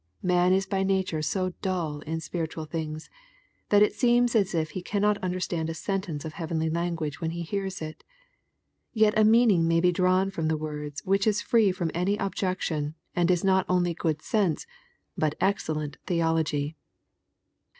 Man is by nature so dull in spiritual things, that it seems as if he cannot understand a sentence of heavenly language when he hears it. Yet a meaning may be drawn from the words which is free from any objection, and is not only good sense, but excellent theology.